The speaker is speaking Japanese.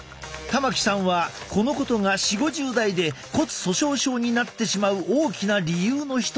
玉置さんはこのことが４０５０代で骨粗しょう症になってしまう大きな理由の一つだと考えている。